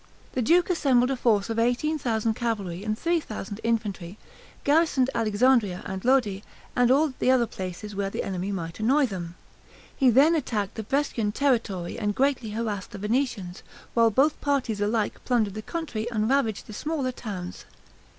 The duke assembled a force of eighteen thousand cavalry and three thousand infantry, garrisoned Alexandria and Lodi, and all the other places where the enemy might annoy them. He then attacked the Brescian territory, and greatly harassed the Venetians; while both parties alike plundered the country and ravaged the smaller towns.